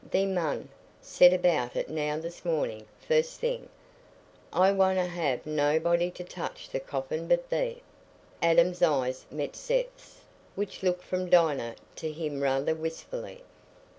Thee mun set about it now this mornin' fust thing. I wonna ha' nobody to touch the coffin but thee." Adam's eyes met Seth's, which looked from Dinah to him rather wistfully.